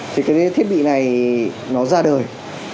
thì cái thiết bị này nó ra đời